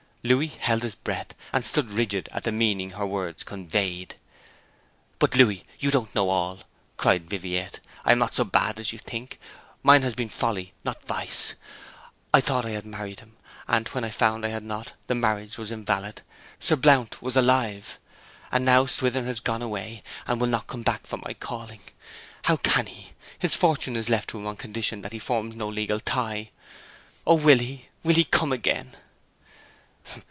Louis held his breath, and stood rigid at the meaning her words conveyed. 'But Louis, you don't know all!' cried Viviette. 'I am not so bad as you think; mine has been folly not vice. I thought I had married him and then I found I had not; the marriage was invalid Sir Blount was alive! And now Swithin has gone away, and will not come back for my calling! How can he? His fortune is left him on condition that he forms no legal tie. O will he will he, come again?'